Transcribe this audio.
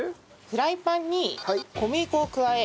フライパンに小麦粉を加え。